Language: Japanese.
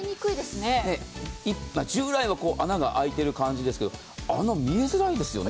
従来は穴が開いている感じですけど、穴、見えづらいですよね。